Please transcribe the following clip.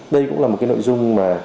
đây cũng là một cái nội dung mà